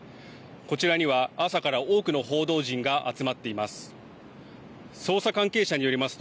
こちらには朝から多くの報道陣が集まっています。